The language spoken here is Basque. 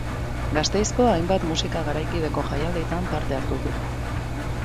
Gasteizko hainbat musika garaikideko jaialditan parte hartu du.